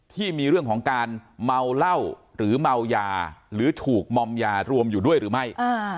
ที่มีเรื่องของการเมาเหล้าหรือเมายาหรือถูกมอมยารวมอยู่ด้วยหรือไม่